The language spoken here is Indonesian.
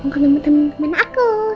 mau ke temen temen aku